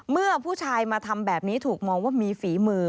เมื่อผู้ชายมาทำแบบนี้ถูกมองว่ามีฝีมือ